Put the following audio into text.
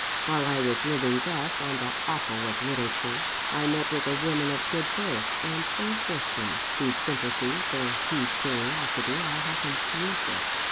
"While I was living thus on the offal of literature, I met with a woman of good birth, and fair fortune, whose sympathies or whose curiosity I happened to interest.